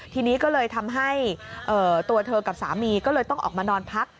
ทีนี้ก็เลยทำให้ตัวเธอกับสามีก็เลยต้องออกมานอนพัก